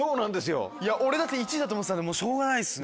いや俺だって１位だと思ってたしょうがないですね。